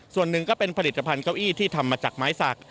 ส่วนหนึ่งก็เป็นผลิตภัณฑ์เก้าอี้ที่ทำมาจากไม้สัก